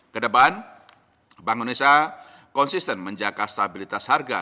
kedepan bank indonesia konsisten menjaga stabilitas harga